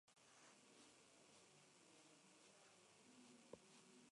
Con George Harrison coprodujo "Bangla-Desh".